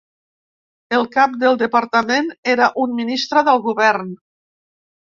El cap del departament era un Ministre del Govern.